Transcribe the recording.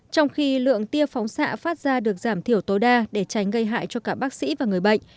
trong khi lượng tia phóng xạ phát ra được giảm thiểu tối đa để tránh gây hại cho cả bác sĩ và người bệnh